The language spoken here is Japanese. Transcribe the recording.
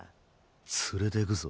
連れてくぞ？